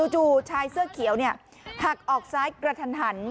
จู่ชายเสื้อเขียวหักออกซ้ายกระทันหัน